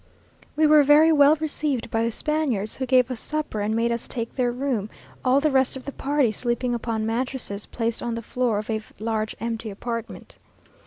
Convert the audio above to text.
We were very well received by the Spaniards, who gave us supper and made us take their room, all the rest of the party sleeping upon mattresses placed on the floor of a large empty apartment.